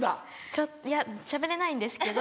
ちょっといやしゃべれないんですけど。